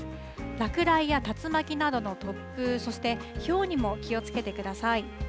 落雷や竜巻などの突風、そしてひょうにも気をつけてください。